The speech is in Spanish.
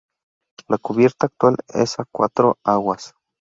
La cubierta actual es a cuatro aguas.